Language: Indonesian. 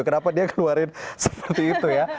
kenapa dia keluarin seperti itu ya